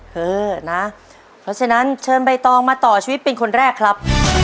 เพราะฉะนั้นเชิญใบตองมาต่อชีวิตเป็นคนแรกครับ